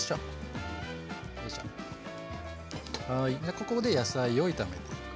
ここで野菜を炒めていく。